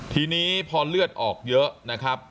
ทีนี้พอเลือดออกเยอะ